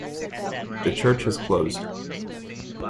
The church has closed.